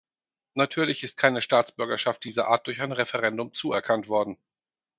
Natürlich ist keine Staatsbürgerschaft dieser Art durch ein Referendum zuerkannt worden.